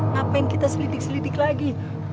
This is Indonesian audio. ngapain kita selidik selidik lagi